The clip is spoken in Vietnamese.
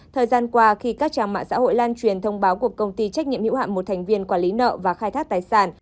thời gian qua khi các trang mạng xã hội lan truyền thông báo của công ty trách nhiệm hữu hạm một thành viên quản lý nợ và khai thác tài sản